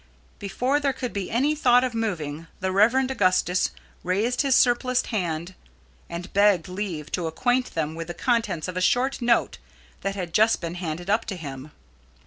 Before there could be any thought of moving, the Rev. Augustus raised his surpliced arm and begged leave to acquaint them with the contents of a short note that had just been handed up to him.